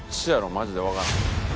マジでわからん。